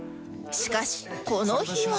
しかしこの日は